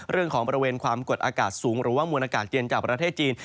บริเวณความกดอากาศสูงหรือว่ามวลอากาศเย็นจากประเทศจีน